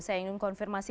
saya ingin konfirmasi